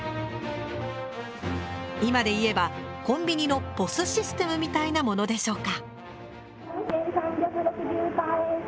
今でいえばコンビニのＰＯＳシステムみたいなものでしょうか。